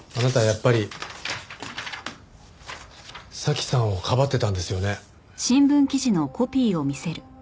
やっぱり早紀さんをかばってたんですよね？